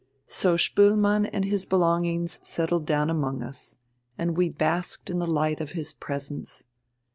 So Spoelmann and his belongings settled down among us, and we basked in the light of his presence.